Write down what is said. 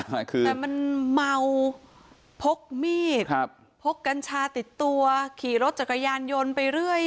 แต่มันเมาพกมีดครับพกกัญชาติดตัวขี่รถจักรยานยนต์ไปเรื่อย